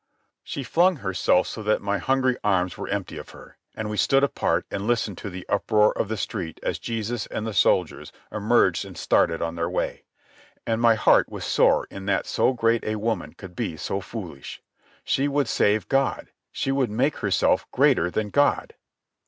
She flung herself so that my hungry arms were empty of her, and we stood apart and listened to the uproar of the street as Jesus and the soldiers emerged and started on their way. And my heart was sore in that so great a woman could be so foolish. She would save God. She would make herself greater than God.